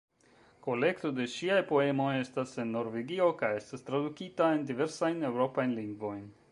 Kolekto de ŝiaj poemoj estas en Norvegio kaj estas tradukita en diversajn eŭropajn lingvojn.